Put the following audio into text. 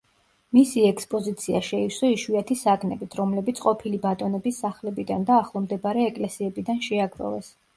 მისი ექსპოზიცია შეივსო იშვიათი საგნებით, რომლებიც ყოფილი ბატონების სახლებიდან და ახლომდებარე ეკლესიებიდან შეაგროვეს.